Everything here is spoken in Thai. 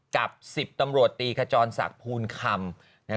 กับ๑๐ตำรวจตีขจรศักดิ์ภูลคำ